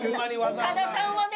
岡田さんはね